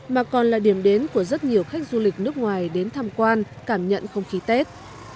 mà còn là điểm đến của rất nhiều khách du lịch nước ngoài đến tham quan cảm nhận không khí tết